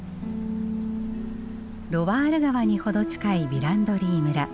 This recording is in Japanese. ロワール川に程近いヴィランドリー村。